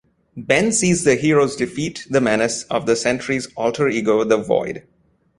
Ben sees the heroes defeat the menace of the Sentry's alter-ego the Void.